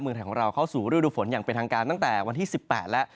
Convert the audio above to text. เมืองไทยของเราเข้าสู่ฤดูฝนอย่างเป็นทางการตั้งแต่วันที่๑๘แล้ว